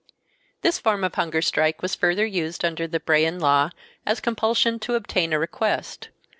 This form of hunger strike was further used under the Brehon Law as compulsion to obtain a request.